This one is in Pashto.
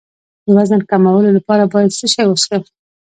د وزن کمولو لپاره باید څه شی وڅښم؟